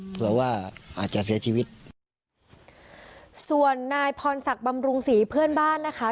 เผื่อว่าอาจจะเสียชีวิตส่วนนายพรศักดิ์บำรุงศรีเพื่อนบ้านนะคะ